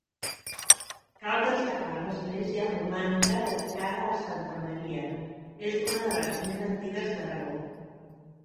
Cal destacar l'església romànica dedicada a santa Maria, és una de les més antigues d'Aragó.